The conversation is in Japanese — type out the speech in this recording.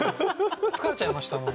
疲れちゃいましたもん。